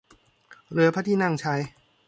เรือพระที่นั่งชัย